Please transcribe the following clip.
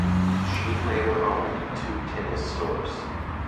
She later owned two tennis stores.